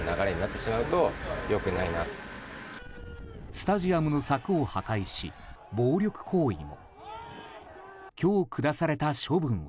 スタジアムの柵を破壊し暴力行為も。